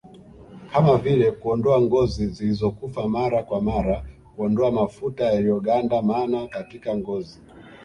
kama vile kuondoa ngozi zilizokufa mara kwa mara Kuondoa mafuta yaliyogandamana katika ngozi